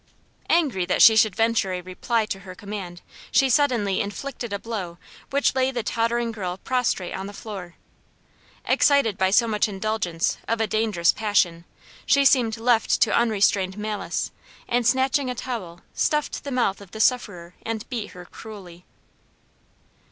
Angry that she should venture a reply to her command, she suddenly inflicted a blow which lay the tottering girl prostrate on the floor. Excited by so much indulgence of a dangerous passion, she seemed left to unrestrained malice; and snatching a towel, stuffed the mouth of the sufferer, and beat her cruelly.